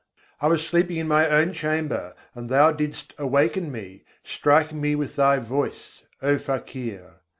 I was sleeping in my own chamber, and Thou didst awaken me; striking me with Thy voice, O Fakir!